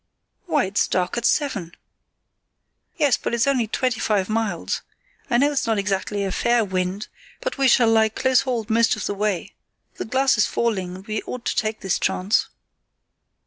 "Why, it's dark at seven!" "Yes, but it's only twenty five miles. I know it's not exactly a fair wind, but we shall lie closehauled most of the way. The glass is falling, and we ought to take this chance."